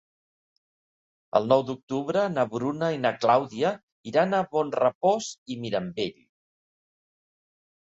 El nou d'octubre na Bruna i na Clàudia iran a Bonrepòs i Mirambell.